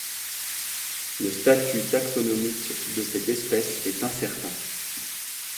Le statut taxonomique de cette espèce est incertain.